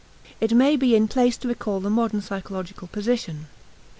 It may be in place to recall the modern psychological position.